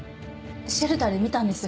シェルターで見たんです。